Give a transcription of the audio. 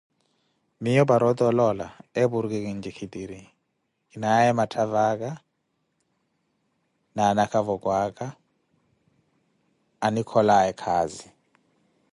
miyo paara ota oloola eporki kintjikiri kinaye matthavaka na anakavokwaka ankikolelaye khazi